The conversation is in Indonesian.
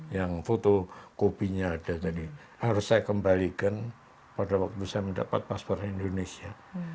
yang foto kopinya ada tadi harus saya kembalikan pada waktu saya mendapat paspor indonesia